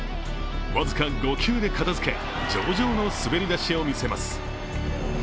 僅か５球で片づけ、上々の滑り出しを見せます。